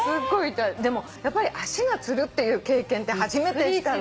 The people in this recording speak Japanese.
でもやっぱり足がつるっていう経験って初めてしたら。